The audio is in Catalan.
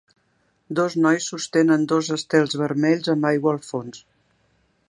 Dos nois sostenen dos estels vermells amb aigua al fons.